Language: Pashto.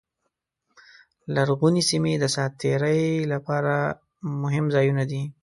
لرغونې سیمې د ساعت تېرۍ لپاره مهم ځایونه دي.